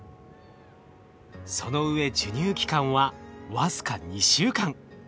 そのうえ授乳期間は僅か２週間。